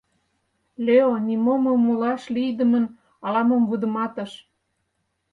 Лео нимом умылаш лийдымын ала-мом вудыматыш.